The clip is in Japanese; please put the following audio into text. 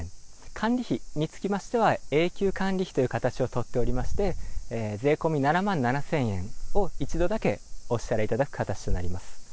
管理費につきましては、永久管理費という形を取っておりまして、税込み７万７０００円を一度だけお支払いいただく形となります。